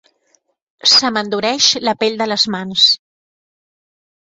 Se m'endureix la pell de les mans.